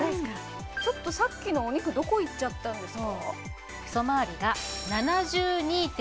ちょっとさっきのお肉どこいっちゃったんですか？